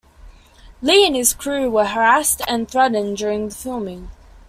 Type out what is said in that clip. Li and his crew were harassed and threatened during the filming.